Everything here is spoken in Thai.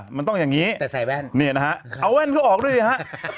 มันต้องอย่างนี้แต่ใส่แว่นเนี่ยนะฮะเอาแว่นเขาออกด้วยสิฮะ